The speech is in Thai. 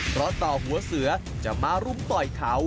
เพราะต่อหัวเสือจะมารุมต่อยเขา